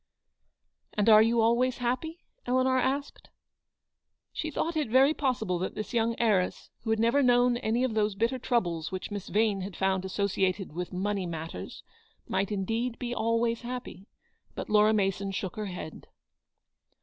"And are you always happy?" Eleanor asked. She thought it very possible that this young heiress, who had never known any of those bitter troubles which Miss Yane had found asso ciated with "money matters," might indeed be always happy. But Laura Mason shook her head.